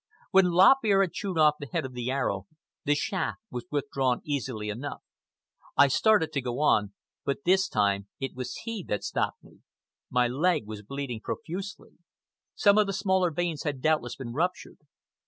When Lop Ear had chewed off the head of the arrow, the shaft was withdrawn easily enough. I started to go on, but this time it was he that stopped me. My leg was bleeding profusely. Some of the smaller veins had doubtless been ruptured.